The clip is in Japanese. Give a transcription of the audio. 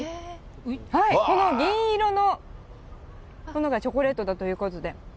この銀色のものがチョコレートだということで。